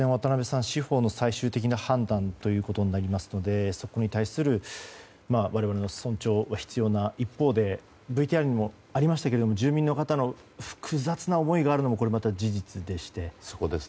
これは司法の最終的な判断ということになりますのでそこに対する我々の尊重が必要な一方でＶＴＲにもありましたが住民の方の複雑な思いがあるのもこれまた事実でして。